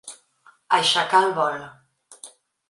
Aixecar el vol.